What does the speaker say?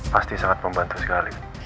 pasti sangat membantu sekali